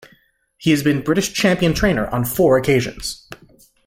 He has been British Champion Trainer on four occasions.